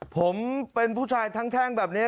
ผมเป็นผู้ชายแท่งแบบนี้